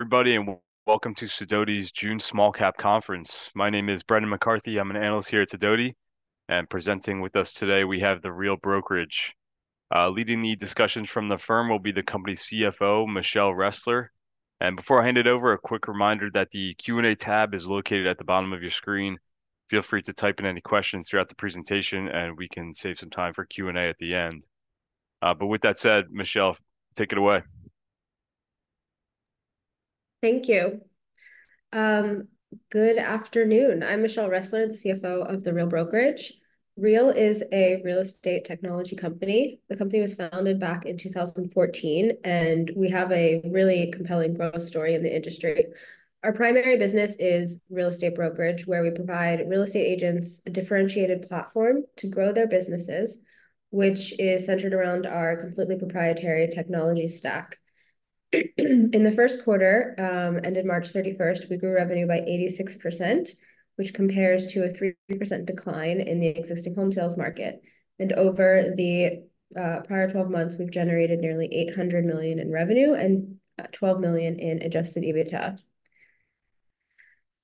Everybody, and welcome to Sidoti's June Small Cap Conference. My name is Brendan McCarthy. I'm an analyst here at Sidoti, and presenting with us today, we have the Real Brokerage. Leading the discussions from the firm will be the company's CFO, Michelle Ressler. Before I hand it over, a quick reminder that the Q&A tab is located at the bottom of your screen. Feel free to type in any questions throughout the presentation, and we can save some time for Q&A at the end. With that said, Michelle, take it away. Thank you. Good afternoon. I'm Michelle Ressler, the CFO of The Real Brokerage. Real is a real estate technology company. The company was founded back in 2014, and we have a really compelling growth story in the industry. Our primary business is real estate brokerage, where we provide real estate agents a differentiated platform to grow their businesses, which is centered around our completely proprietary technology stack. In the Q1 ended March 31, we grew revenue by 86%, which compares to a 3% decline in the existing home sales market, and over the prior 12 months, we've generated nearly $800 million in revenue and $12 million in Adjusted EBITDA.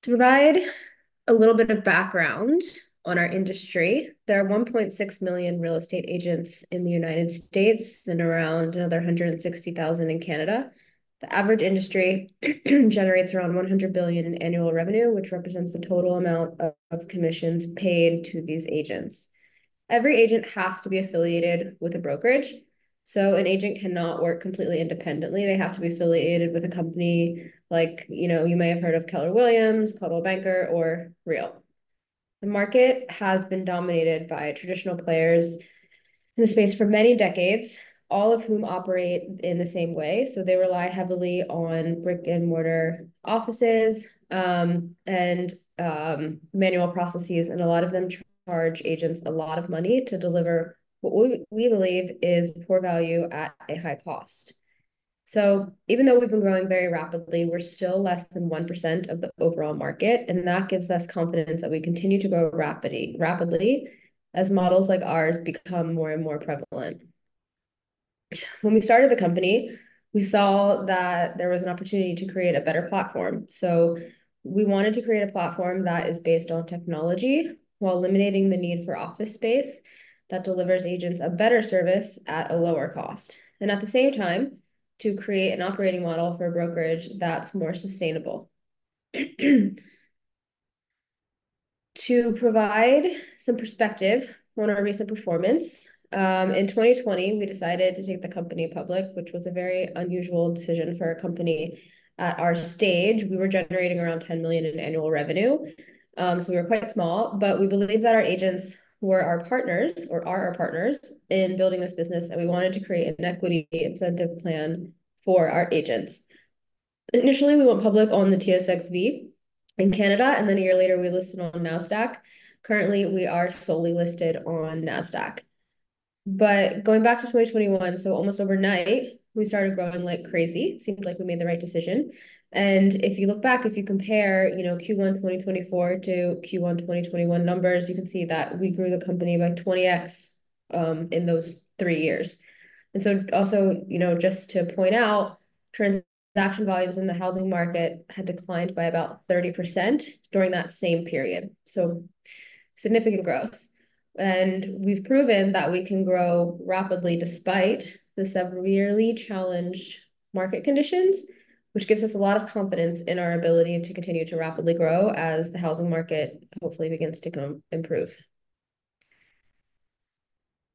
To provide a little bit of background on our industry, there are 1.6 million real estate agents in the United States and around another 160,000 in Canada. The average industry generates around $100 billion in annual revenue, which represents the total amount of commissions paid to these agents. Every agent has to be affiliated with a brokerage, so an agent cannot work completely independently. They have to be affiliated with a company like, you know, you may have heard of Keller Williams, Coldwell Banker, or Real. The market has been dominated by traditional players in the space for many decades, all of whom operate in the same way. So they rely heavily on brick-and-mortar offices, and manual processes, and a lot of them charge agents a lot of money to deliver what we believe is poor value at a high cost. So even though we've been growing very rapidly, we're still less than 1% of the overall market, and that gives us confidence that we continue to grow rapidly, rapidly as models like ours become more and more prevalent. When we started the company, we saw that there was an opportunity to create a better platform. So we wanted to create a platform that is based on technology while eliminating the need for office space, that delivers agents a better service at a lower cost, and at the same time, to create an operating model for a brokerage that's more sustainable. To provide some perspective on our recent performance, in 2020, we decided to take the company public, which was a very unusual decision for a company at our stage. We were generating around $10 million in annual revenue. So we were quite small, but we believed that our agents were our partners or are our partners in building this business, and we wanted to create an equity incentive plan for our agents. Initially, we went public on the TSXV in Canada, and then a year later, we listed on Nasdaq. Currently, we are solely listed on Nasdaq. But going back to 2021, so almost overnight, we started growing like crazy. Seemed like we made the right decision. And if you look back, if you compare, you know, Q1 2024 to Q1 2021 numbers, you can see that we grew the company by 20x in those three years. And so also, you know, just to point out, transaction volumes in the housing market had declined by about 30% during that same period, so significant growth. We've proven that we can grow rapidly despite the severely challenged market conditions, which gives us a lot of confidence in our ability to continue to rapidly grow as the housing market hopefully begins to improve.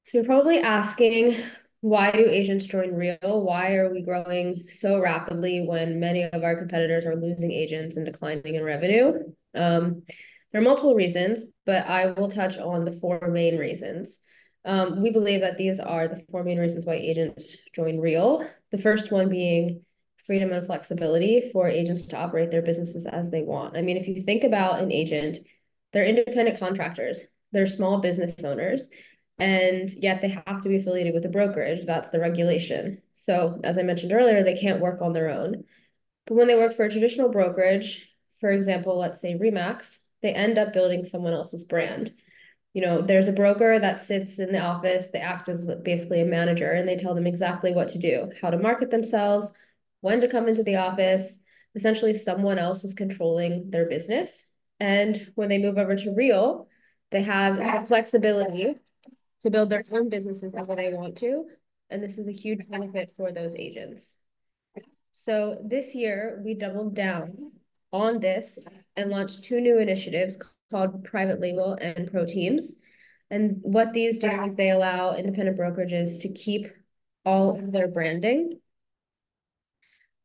So you're probably asking: Why do agents join Real? Why are we growing so rapidly when many of our competitors are losing agents and declining in revenue? There are multiple reasons, but I will touch on the four main reasons. We believe that these are the four main reasons why agents join Real. The first one being freedom and flexibility for agents to operate their businesses as they want. I mean, if you think about an agent, they're independent contractors, they're small business owners, and yet they have to be affiliated with a brokerage. That's the regulation. So, as I mentioned earlier, they can't work on their own. But when they work for a traditional brokerage, for example, let's say RE/MAX, they end up building someone else's brand. You know, there's a broker that sits in the office, they act as basically a manager, and they tell them exactly what to do, how to market themselves, when to come into the office. Essentially, someone else is controlling their business, and when they move over to Real, they have the flexibility to build their own businesses the way they want to, and this is a huge benefit for those agents. So this year, we doubled down on this and launched two new initiatives called Private Label and ProTeams. And what these do is they allow independent brokerages to keep all of their branding,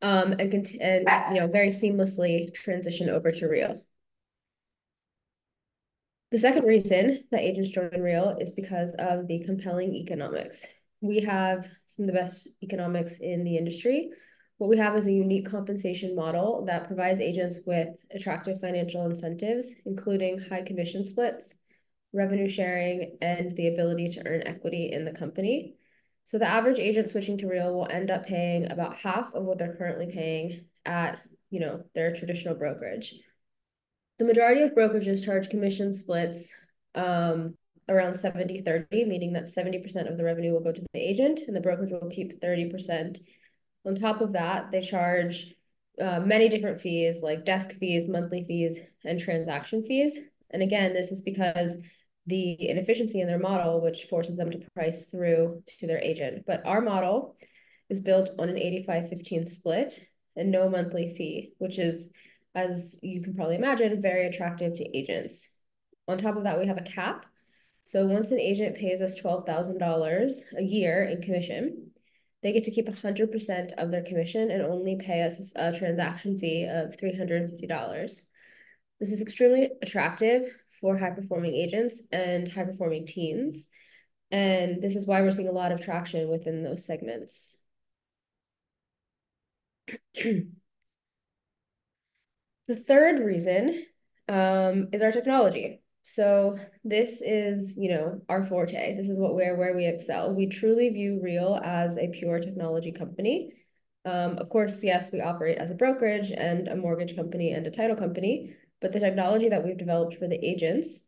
and, you know, very seamlessly transition over to Real. The second reason that agents join Real is because of the compelling economics. We have some of the best economics in the industry. What we have is a unique compensation model that provides agents with attractive financial incentives, including high commission splits, revenue sharing, and the ability to earn equity in the company. So the average agent switching to Real will end up paying about half of what they're currently paying at, you know, their traditional brokerage. The majority of brokerages charge commission splits around 70/30, meaning that 70% of the revenue will go to the agent, and the brokerage will keep 30%. On top of that, they charge many different fees like desk fees, monthly fees, and transaction fees. And again, this is because the inefficiency in their model, which forces them to price through to their agent. But our model is built on an 85/15 split and no monthly fee, which is, as you can probably imagine, very attractive to agents. On top of that, we have a cap, so once an agent pays us $12,000 a year in commission, they get to keep 100% of their commission and only pay us a transaction fee of $350. This is extremely attractive for high-performing agents and high-performing teams, and this is why we're seeing a lot of traction within those segments. The third reason is our technology. So this is, you know, our forte. This is where we excel. We truly view Real as a pure technology company. Of course, yes, we operate as a brokerage and a mortgage company and a title company, but the technology that we've developed for the agents,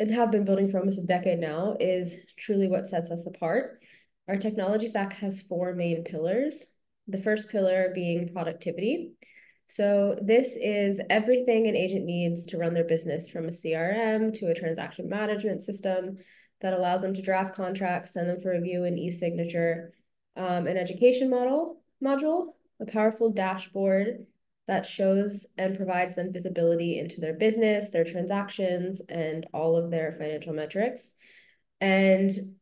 and have been building for almost a decade now, is truly what sets us apart. Our technology stack has four main pillars, the first pillar being productivity. This is everything an agent needs to run their business, from a CRM to a transaction management system that allows them to draft contracts, send them for review and e-signature, an education module, a powerful dashboard that shows and provides them visibility into their business, their transactions, and all of their financial metrics, and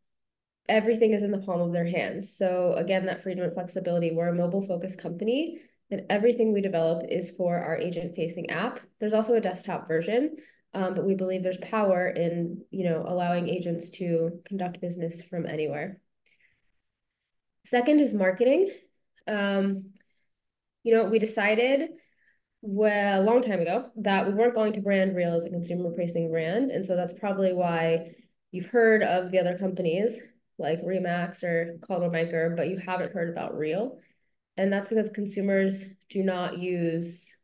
everything is in the palm of their hands. Again, that freedom and flexibility. We're a mobile-focused company, and everything we develop is for our agent-facing app. There's also a desktop version, but we believe there's power in, you know, allowing agents to conduct business from anywhere. Second is marketing. You know, we decided well, a long time ago, that we weren't going to brand Real as a consumer-facing brand, and so that's probably why you've heard of the other companies, like RE/MAX or Coldwell Banker, but you haven't heard about Real, and that's because consumers do not use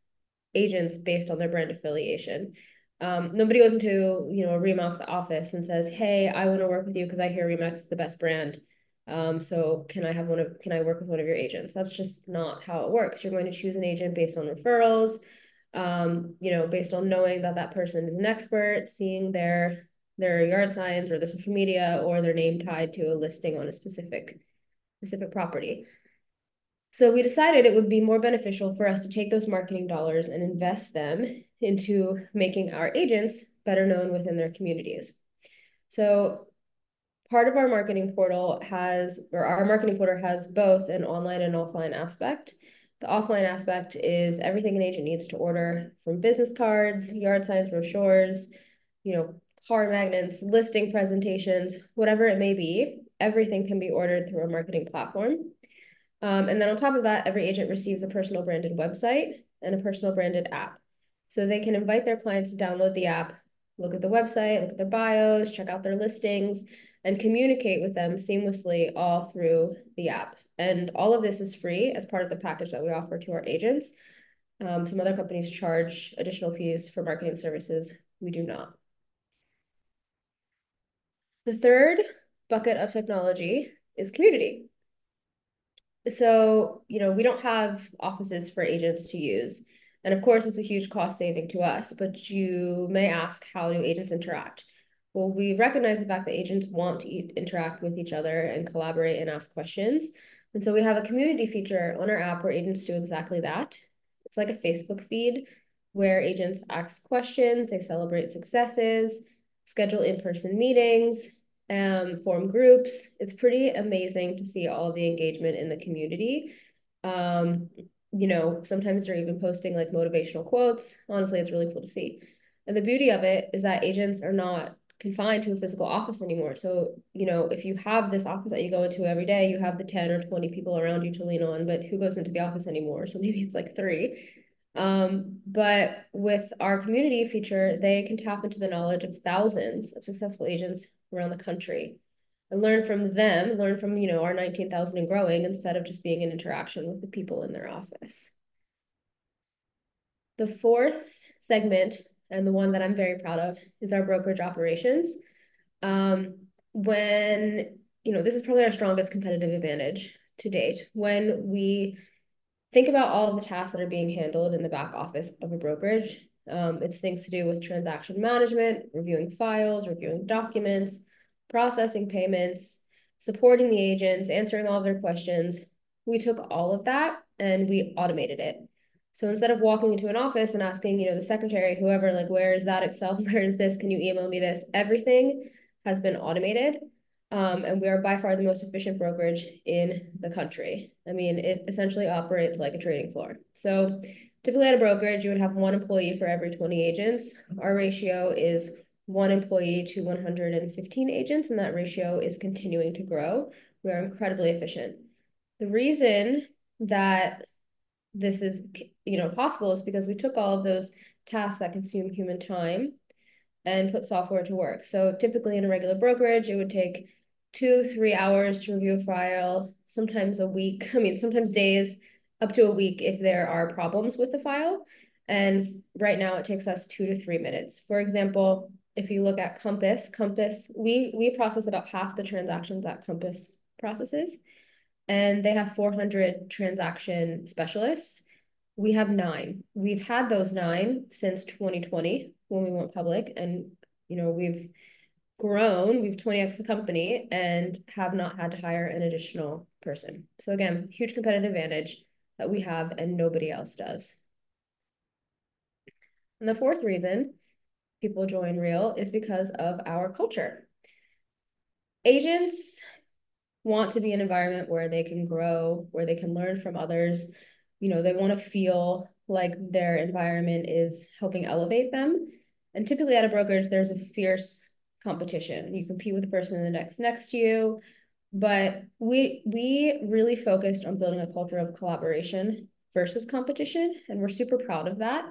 agents based on their brand affiliation. Nobody goes into, you know, a RE/MAX office and says, "Hey, I wanna work with you 'cause I hear RE/MAX is the best brand. So can I have one of, can I work with one of your agents?" That's just not how it works. You're going to choose an agent based on referrals, you know, based on knowing that that person is an expert, seeing their yard signs or their social media or their name tied to a listing on a specific property. So we decided it would be more beneficial for us to take those marketing dollars and invest them into making our agents better known within their communities. So part of our marketing portal has or our marketing portal has both an online and offline aspect. The offline aspect is everything an agent needs to order, from business cards, yard signs, brochures, you know, car magnets, listing presentations, whatever it may be, everything can be ordered through our marketing platform. And then on top of that, every agent receives a personal branded website and a personal branded app, so they can invite their clients to download the app, look at the website, look at their bios, check out their listings, and communicate with them seamlessly all through the app. All of this is free as part of the package that we offer to our agents. Some other companies charge additional fees for marketing services. We do not. The third bucket of technology is community. So, you know, we don't have offices for agents to use, and of course, it's a huge cost saving to us, but you may ask, "How do agents interact?" Well, we recognize the fact that agents want to interact with each other and collaborate and ask questions, and so we have a community feature on our app where agents do exactly that. It's like a Facebook feed, where agents ask questions, they celebrate successes, schedule in-person meetings, form groups. It's pretty amazing to see all the engagement in the community. You know, sometimes they're even posting, like, motivational quotes. Honestly, it's really cool to see. And the beauty of it is that agents are not confined to a physical office anymore. So, you know, if you have this office that you go into every day, you have the 10 or 20 people around you to lean on, but who goes into the office anymore? So maybe it's, like, three. But with our community feature, they can tap into the knowledge of thousands of successful agents around the country and learn from them, learn from, you know, our 19,000 and growing, instead of just being in interaction with the people in their office. The fourth segment, and the one that I'm very proud of, is our brokerage operations. When you know, this is probably our strongest competitive advantage to date. When we think about all the tasks that are being handled in the back office of a brokerage, it's things to do with transaction management, reviewing files, reviewing documents, processing payments, supporting the agents, answering all their questions. We took all of that, and we automated it. So instead of walking into an office and asking, you know, the secretary, whoever, like: "Where is that excel? Where is this? Can you email me this?" Everything has been automated, and we are by far the most efficient brokerage in the country. I mean, it essentially operates like a trading floor. So typically, at a brokerage, you would have one employee for every 20 agents. Our ratio is 1 employee to 115 agents, and that ratio is continuing to grow. We are incredibly efficient. The reason that this is, you know, possible is because we took all of those tasks that consume human time and put software to work. So typically, in a regular brokerage, it would take 2 to 3 hours to review a file, sometimes a week. I mean, sometimes days, up to a week if there are problems with the file, and right now it takes us 2 to 3 minutes. For example, if you look at Compass, we process about half the transactions that Compass processes, and they have 400 transaction specialists. We have 9. We've had those 9 since 2020 when we went public and, you know, we've grown. We've 20X'd the company and have not had to hire an additional person. So again, huge competitive advantage that we have and nobody else does. And the fourth reason people join Real is because of our culture. Agents want to be in an environment where they can grow, where they can learn from others. You know, they wanna feel like their environment is helping elevate them, and typically at a brokerage, there's a fierce competition. You compete with the person in the desk next to you. But we, we really focused on building a culture of collaboration versus competition, and we're super proud of that.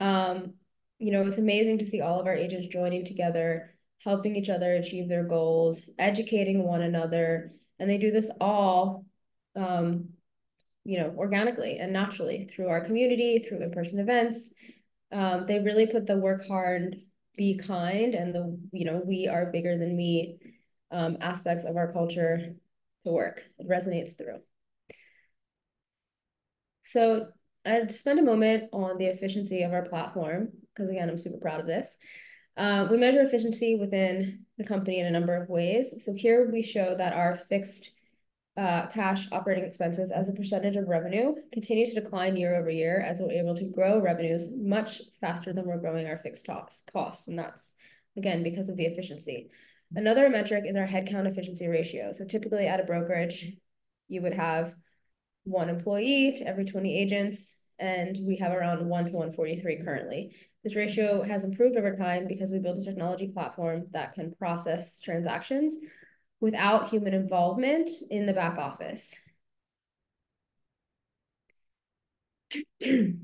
You know, it's amazing to see all of our agents joining together, helping each other achieve their goals, educating one another, and they do this all, you know, organically and naturally through our community, through in-person events. They really put the work hard, be kind, and the, you know, we are bigger than me, aspects of our culture to work. It resonates through. So I'll spend a moment on the efficiency of our platform, 'cause again, I'm super proud of this. We measure efficiency within the company in a number of ways. So here we show that our fixed cash operating expenses as a percentage of revenue continue to decline year-over-year, as we're able to grow revenues much faster than we're growing our fixed costs, and that's, again, because of the efficiency. Another metric is our headcount efficiency ratio. So typically, at a brokerage, you would have one employee to every 20 agents, and we have around one to 143 currently. This ratio has improved over time because we built a technology platform that can process transactions without human involvement in the back office. We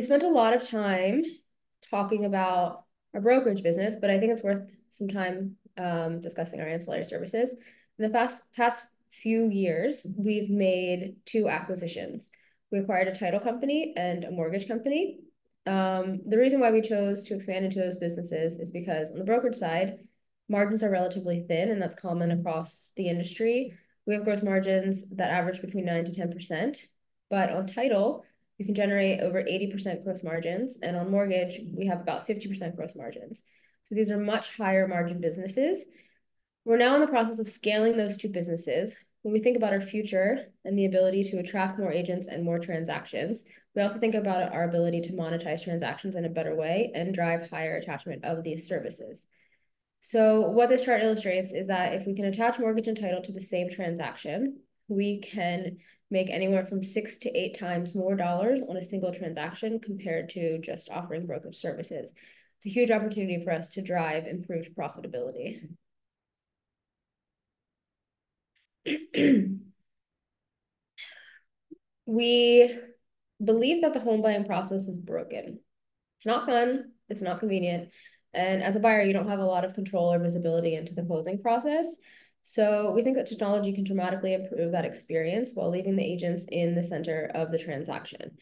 spent a lot of time talking about our brokerage business, but I think it's worth some time, discussing our ancillary services. In the past few years, we've made 2 acquisitions. We acquired a title company and a mortgage company. The reason why we chose to expand into those businesses is because on the brokerage side, margins are relatively thin, and that's common across the industry. We have gross margins that average between 9% to 10%, but on title, you can generate over 80% gross margins, and on mortgage, we have about 50% gross margins. So these are much higher margin businesses. We're now in the process of scaling those 2 businesses. When we think about our future and the ability to attract more agents and more transactions, we also think about our ability to monetize transactions in a better way and drive higher attachment of these services. So what this chart illustrates is that if we can attach mortgage and title to the same transaction, we can make anywhere from 6 to 8 times more dollars on a single transaction compared to just offering brokerage services. It's a huge opportunity for us to drive improved profitability. We believe that the home buying process is broken. It's not fun, it's not convenient, and as a buyer, you don't have a lot of control or visibility into the closing process. So we think that technology can dramatically improve that experience while leaving the agents in the center of the transaction.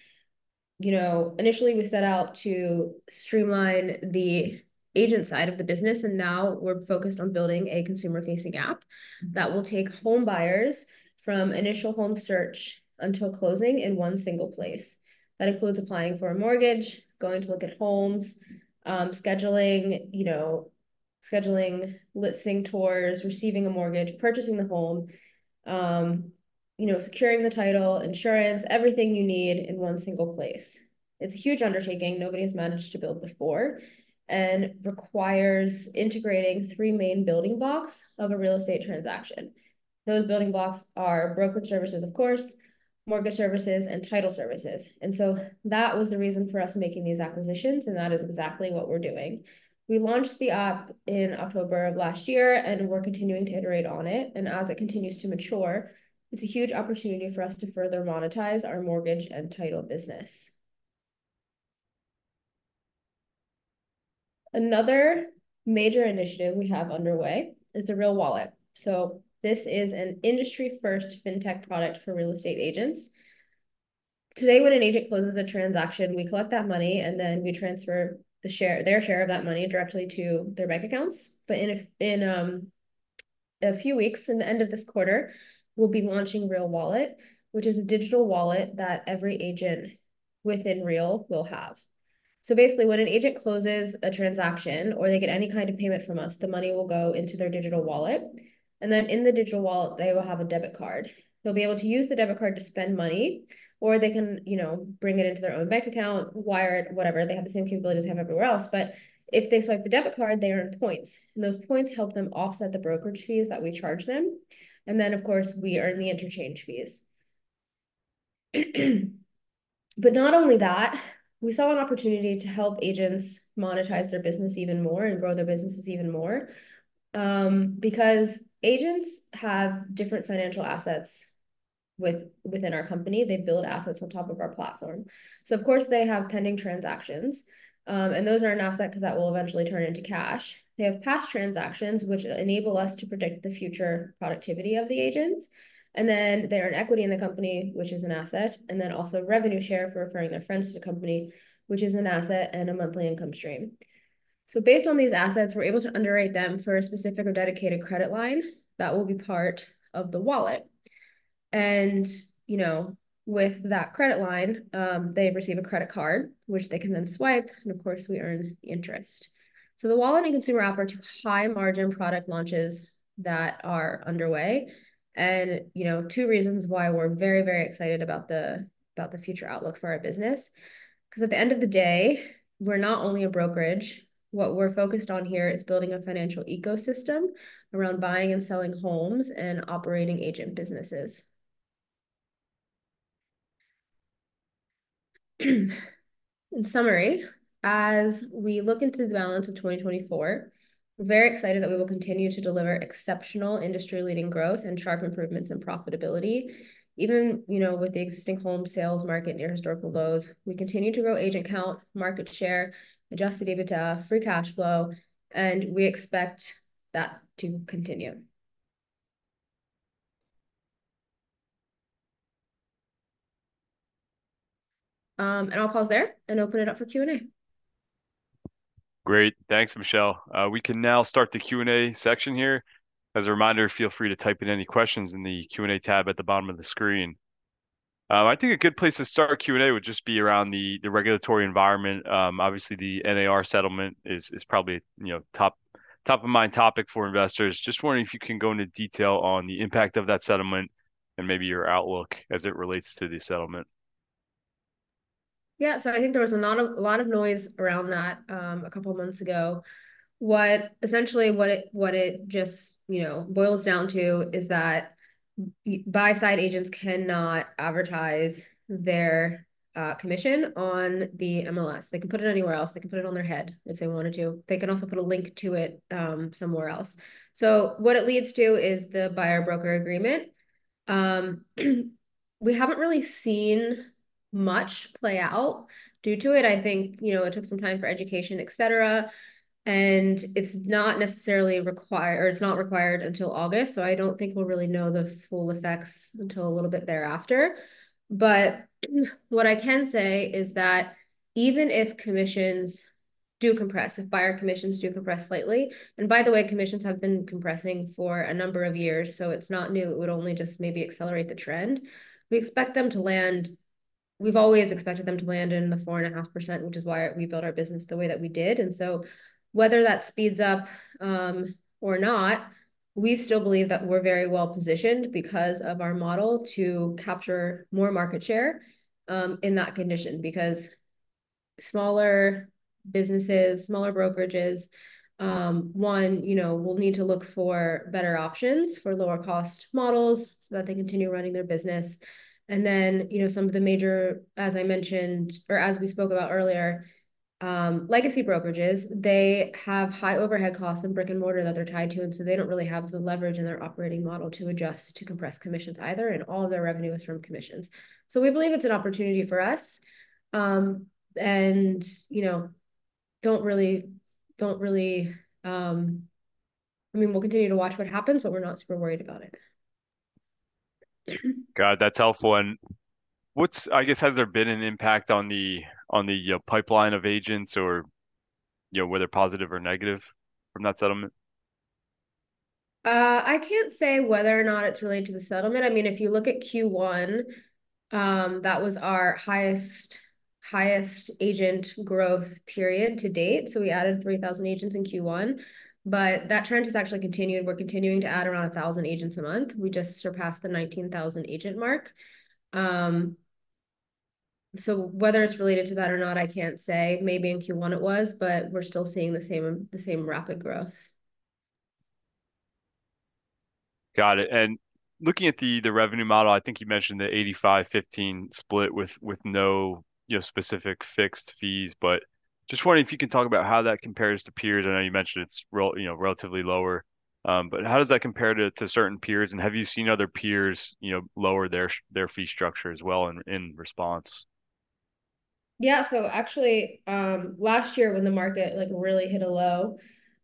You know, initially, we set out to streamline the agent side of the business, and now we're focused on building a consumer-facing app that will take home buyers from initial home search until closing in one single place. That includes applying for a mortgage, going to look at homes, scheduling, you know, scheduling listing tours, receiving a mortgage, purchasing the home, you know, securing the title, insurance, everything you need in one single place. It's a huge undertaking nobody has managed to build before and requires integrating three main building blocks of a real estate transaction. Those building blocks are brokerage services, of course, mortgage services, and title services. And so that was the reason for us making these acquisitions, and that is exactly what we're doing. We launched the app in October of last year, and we're continuing to iterate on it. As it continues to mature, it's a huge opportunity for us to further monetize our mortgage and title business. Another major initiative we have underway is the Real Wallet. So this is an industry-first fintech product for real estate agents. Today, when an agent closes a transaction, we collect that money, and then we transfer their share of that money directly to their bank accounts. But in a few weeks, in the end of this quarter, we'll be launching RealWallet, which is a digital wallet that every agent within Real will have. So basically, when an agent closes a transaction or they get any kind of payment from us, the money will go into their digital wallet, and then in the digital wallet, they will have a debit card. They'll be able to use the debit card to spend money, or they can, you know, bring it into their own bank account, wire it, whatever. They have the same capabilities they have everywhere else. But if they swipe the debit card, they earn points, and those points help them offset the brokerage fees that we charge them, and then, of course, we earn the interchange fees. But not only that, we saw an opportunity to help agents monetize their business even more and grow their businesses even more, because agents have different financial assets within our company, they build assets on top of our platform. So of course, they have pending transactions, and those are an asset 'cause that will eventually turn into cash. They have past transactions which enable us to predict the future productivity of the agents, and then they're an equity in the company, which is an asset, and then also revenue share for referring their friends to the company, which is an asset and a monthly income stream. So based on these assets, we're able to underwrite them for a specific or dedicated credit line that will be part of the wallet. And, you know, with that credit line, they receive a credit card, which they can then swipe, and of course, we earn interest. So the wallet and consumer offer two high-margin product launches that are underway. And, you know, two reasons why we're very, very excited about the, about the future outlook for our business, 'cause at the end of the day, we're not only a brokerage. What we're focused on here is building a financial ecosystem around buying and selling homes and operating agent businesses. In summary, as we look into the balance of 2024, we're very excited that we will continue to deliver exceptional industry-leading growth and sharp improvements in profitability. Even, you know, with the existing home sales market near historical lows, we continue to grow agent count, market share, Adjusted EBITDA, free cash flow, and we expect that to continue. I'll pause there and open it up for Q&A. Great. Thanks, Michelle. We can now start the Q&A section here. As a reminder, feel free to type in any questions in the Q&A tab at the bottom of the screen. I think a good place to start our Q&A would just be around the regulatory environment. Obviously, the NAR settlement is probably, you know, top-of-mind topic for investors. Just wondering if you can go into detail on the impact of that settlement and maybe your outlook as it relates to the settlement. Yeah. So I think there was a lot of, a lot of noise around that, a couple of months ago. Essentially, what it just, you know, boils down to is that buy-side agents cannot advertise their commission on the MLS. They can put it anywhere else. They can put it on their head, if they wanted to. They can also put a link to it, somewhere else. So what it leads to is the buyer-broker agreement. We haven't really seen much play out due to it. I think, you know, it took some time for education, et cetera, and it's not necessarily required or it's not required until August, so I don't think we'll really know the full effects until a little bit thereafter. But, what I can say is that even if commissions do compress, if buyer commissions do compress slightly, and by the way, commissions have been compressing for a number of years, so it's not new. It would only just maybe accelerate the trend. We expect them to land, we've always expected them to land in the 4.5%, which is why we built our business the way that we did. And so whether that speeds up, or not, we still believe that we're very well-positioned because of our model to capture more market share, in that condition. Because smaller businesses, smaller brokerages, one, you know, will need to look for better options for lower-cost models so that they continue running their business. And then, you know, some of the major, as I mentioned or as we spoke about earlier, legacy brokerages, they have high overhead costs in brick-and-mortar that they're tied to, and so they don't really have the leverage in their operating model to adjust to compress commissions either, and all of their revenue is from commissions. So we believe it's an opportunity for us. You know, I mean, we'll continue to watch what happens, but we're not super worried about it. Got it. That's helpful, and what's I guess, has there been an impact on the, you know, pipeline of agents or, you know, whether positive or negative from that settlement? I can't say whether or not it's related to the settlement. I mean, if you look at Q1, that was our highest, highest agent growth period to date. So we added 3,000 agents in Q1, but that trend has actually continued. We're continuing to add around 1,000 agents a month. We just surpassed the 19,000 agent mark. So whether it's related to that or not, I can't say. Maybe in Q1 it was, but we're still seeing the same, the same rapid growth. Got it, and looking at the revenue model, I think you mentioned the 85/15 split with no, you know, specific fixed fees, but just wondering if you can talk about how that compares to peers. I know you mentioned it's relatively lower, you know, but how does that compare to certain peers, and have you seen other peers, you know, lower their fee structure as well in response? Yeah. So actually, last year when the market, like, really hit a low,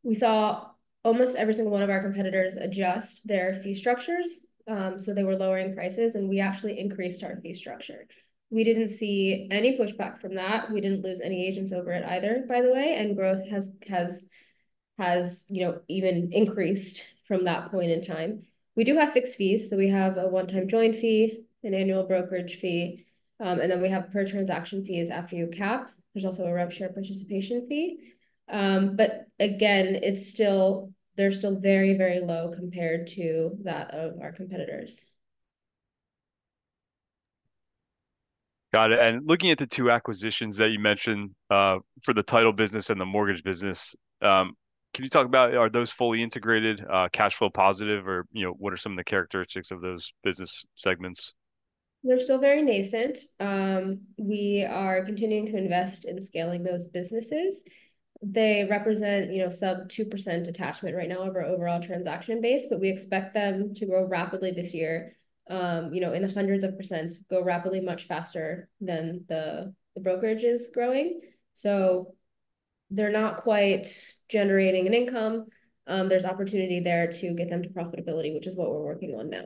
we saw almost every single one of our competitors adjust their fee structures. So they were lowering prices, and we actually increased our fee structure. We didn't see any pushback from that. We didn't lose any agents over it either, by the way, and growth has, you know, even increased from that point in time. We do have fixed fees, so we have a one-time join fee, an annual brokerage fee, and then we have per-transaction fees after you cap. There's also a rev share participation fee. But again, it's still- they're still very, very low compared to that of our competitors. Got it, and looking at the two acquisitions that you mentioned, for the title business and the mortgage business, can you talk about are those fully integrated, cash flow positive or, you know, what are some of the characteristics of those business segments? They're still very nascent. We are continuing to invest in scaling those businesses. They represent, you know, sub 2% attachment right now of our overall transaction base, but we expect them to grow rapidly this year, you know, in the hundreds of %, grow rapidly much faster than the brokerage is growing. So they're not quite generating an income. There's opportunity there to get them to profitability, which is what we're working on now.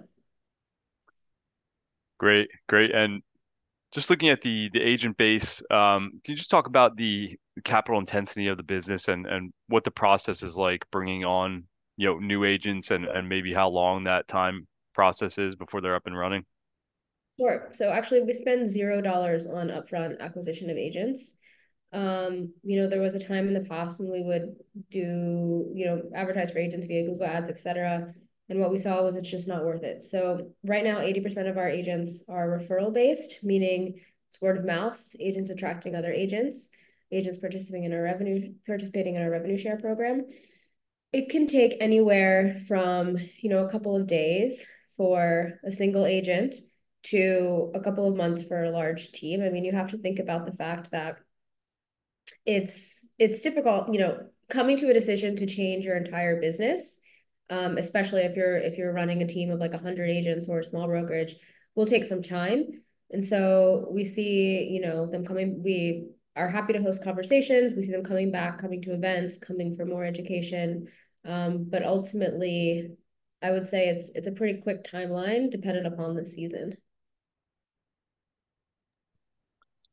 Great. Great. And just looking at the agent base, can you just talk about the capital intensity of the business, and what the process is like bringing on, you know, new agents and maybe how long that time process is before they're up and running? Sure. So actually, we spend zero dollar on upfront acquisition of agents. You know, there was a time in the past when we would do, you know, advertise for agents via Google Ads, et cetera, and what we saw was it's just not worth it. So right now, 80% of our agents are referral-based, meaning it's word-of-mouth, agents attracting other agents, agents participating in our revenue share program. It can take anywhere from, you know, a couple of days for a single agent to a couple of months for a large team. I mean, you have to think about the fact that it's difficult, you know, coming to a decision to change your entire business, especially if you're running a team of, like, 100 agents or a small brokerage, will take some time. So we see, you know, them coming. We are happy to host conversations. We see them coming back, coming to events, coming for more education. But ultimately, I would say it's, it's a pretty quick timeline dependent upon the season.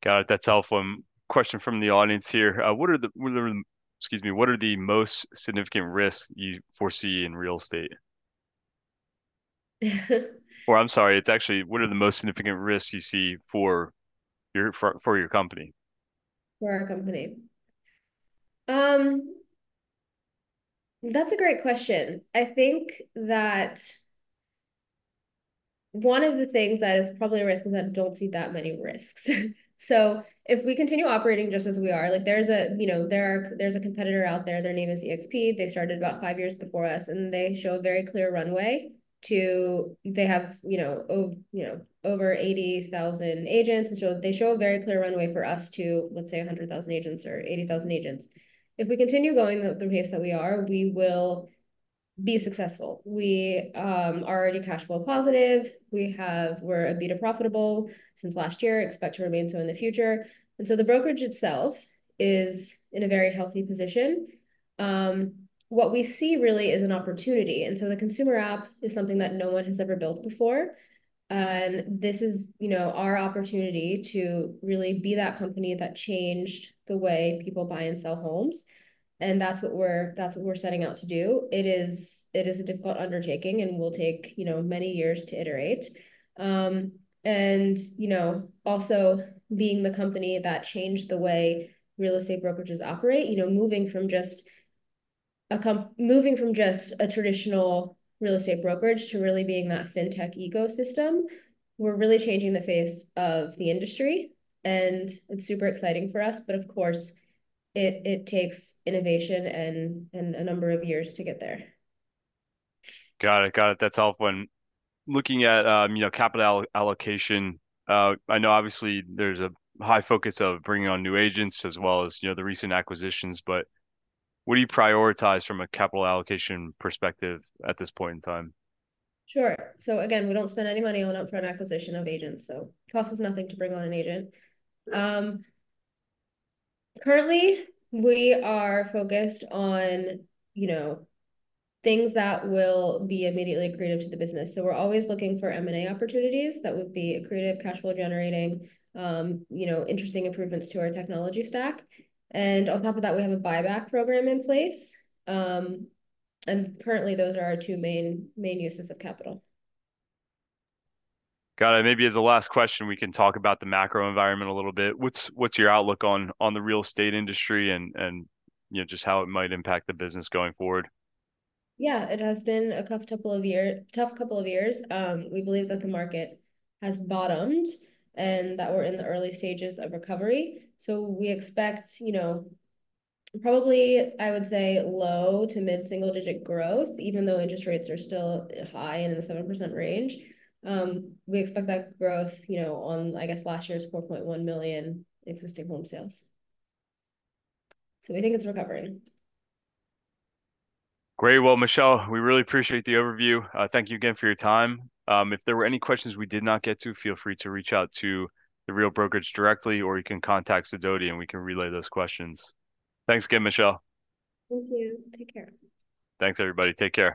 Got it. That's helpful. Question from the audience here: What are the most significant risks you foresee in real estate? Or I'm sorry, it's actually, what are the most significant risks you see for your company? For our company? That's a great question. I think that one of the things that is probably a risk is that I don't see that many risks. So if we continue operating just as we are, like there's a, you know, competitor out there, their name is eXp. They started about 5 years before us, and they show a very clear runway to, they have, you know, over, you know, over 80,000 agents. And so they show a very clear runway for us to, let's say, 100,000 agents or 80,000 agents. If we continue going the pace that we are, we will be successful. We are already cash flow positive. We're EBITDA profitable since last year, expect to remain so in the future. And so the brokerage itself is in a very healthy position. What we see really is an opportunity, and so the consumer app is something that no one has ever built before. And this is, you know, our opportunity to really be that company that changed the way people buy and sell homes, and that's what we're, that's what we're setting out to do. It is, it is a difficult undertaking and will take, you know, many years to iterate. And, you know, also being the company that changed the way real estate brokerages operate, you know, moving from just a traditional real estate brokerage to really being that fintech ecosystem, we're really changing the face of the industry, and it's super exciting for us. But of course, it takes innovation and a number of years to get there. Got it, got it. That's helpful. And looking at, you know, capital allocation, I know obviously there's a high focus of bringing on new agents as well as, you know, the recent acquisitions, but what do you prioritize from a capital allocation perspective at this point in time? Sure. So again, we don't spend any money on upfront acquisition of agents, so it costs us nothing to bring on an agent. Currently, we are focused on, you know, things that will be immediately accretive to the business, so we're always looking for M&A opportunities that would be accretive, cash flow generating, you know, interesting improvements to our technology stack. And on top of that, we have a buyback program in place. And currently, those are our two main, main uses of capital. Got it. Maybe as a last question, we can talk about the macro environment a little bit. What's your outlook on the real estate industry and, you know, just how it might impact the business going forward? Yeah, it has been a tough couple of year, tough couple of years. We believe that the market has bottomed and that we're in the early stages of recovery. So we expect, you know, probably, I would say, low- to mid-single-digit growth, even though interest rates are still high and in the 7% range. We expect that growth, you know, on, I guess, last year's 4.1 million existing home sales. So we think it's recovering. Great. Well, Michelle, we really appreciate the overview. Thank you again for your time. If there were any questions we did not get to, feel free to reach out to the Real Brokerage directly, or you can contact Sidoti, and we can relay those questions. Thanks again, Michelle. Thank you. Take care. Thanks, everybody. Take care.